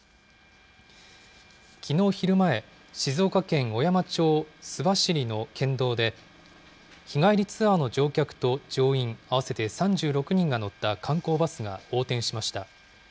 きのう昼前、静岡県小山町須走の県道で、日帰りツアーの乗客と乗員合わせて３６人が乗った観光バスが横転しました。